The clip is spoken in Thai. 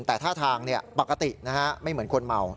แต่ท่าทางปกติไม่เหมือนคนเมา